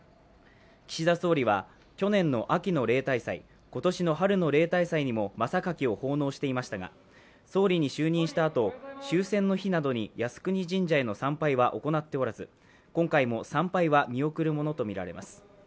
岸田総理は去年の秋の例大祭、今年の春の例大祭にもまさかきを奉納していましたが、総理に就任したあと終戦の日などに靖国神社への参拝は行っておらず今回も、参拝は見送るものとみられます。